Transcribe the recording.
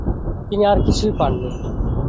তিনি আর কিছুই পাননি।